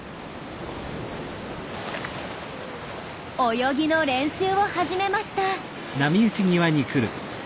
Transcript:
泳ぎの練習を始めました。